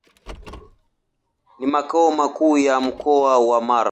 Ni makao makuu ya Mkoa wa Mara.